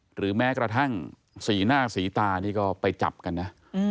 หรือแม้กระทั่งสีหน้าสีตานี่ก็ไปจับกันนะ